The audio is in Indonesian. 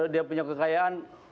dia punya kekayaan